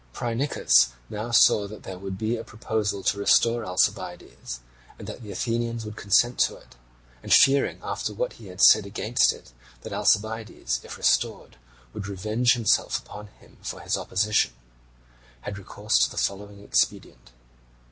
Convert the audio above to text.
Phrynichus now saw that there would be a proposal to restore Alcibiades, and that the Athenians would consent to it; and fearing after what he had said against it that Alcibiades, if restored, would revenge himself upon him for his opposition, had recourse to the following expedient.